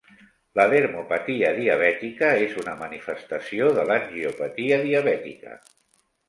La "dermopatia diabètica" és una manifestació de l'angiopatia diabètica.